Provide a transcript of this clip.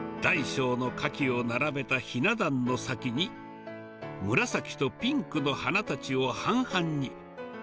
大小の花器を並べたひな壇の先に、紫とピンクの花たちを半々に。